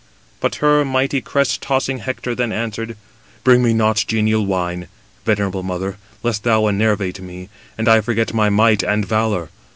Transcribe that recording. But her mighty crest tossing Hector then answered: "Bring me not genial wine, venerable mother, lest thou enervate me, and I forget my might and valour.